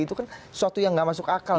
itu kan suatu yang gak masuk akal